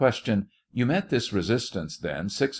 Tou met this resistance, then, six.